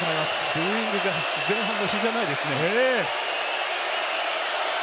ブーイングが前半の比じゃないですね。